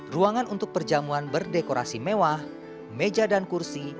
ruangan untuk perjamuan berdekorasi mewah meja dan kursi